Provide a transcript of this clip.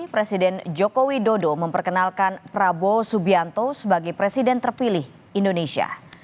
presiden joko widodo memperkenalkan prabowo subianto sebagai presiden terpilih indonesia